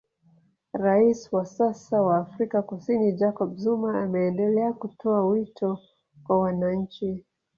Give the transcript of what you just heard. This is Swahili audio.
Raisi wa sasa wa Afrika Kusini Jacob Zuma ameendelea kutoa wito kwa wananchi